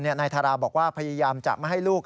นายทาราบอกว่าพยายามจะไม่ให้ลูก